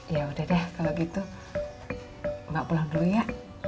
ya udah deh kalau gitu mbak pulang dulu ya